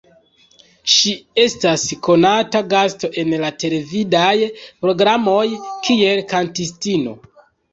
Ŝi estas konata gasto en la televidaj programoj kiel kantistino.